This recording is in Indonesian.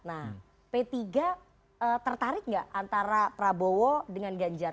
nah p tiga tertarik nggak antara prabowo dengan ganjar